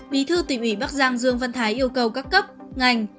bí thư tỉnh ủy bắc giang dương văn thái yêu cầu các cấp ngành